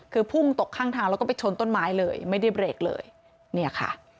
คือพุ่งตกข้างทางแล้วก็ไปชนต้นไม้เลยไม่ได้เบรกเลยเนี่ยค่ะ